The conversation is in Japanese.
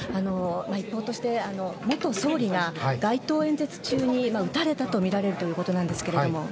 一報として元総理が街頭演説中に撃たれたとみられるということなんですが。